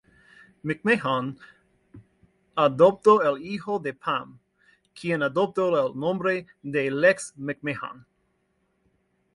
McMahon adoptó al hijo de Pam, quien adoptó el nombre de Lex McMahon.